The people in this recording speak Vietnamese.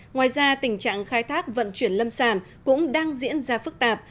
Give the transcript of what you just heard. ngoài ra tình trạng khai thác vận chuyển lâm sản cũng đang diễn ra phức tạp